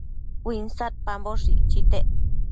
uinsadpamboshë icchitec